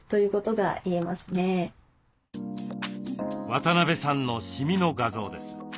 渡邉さんのシミの画像です。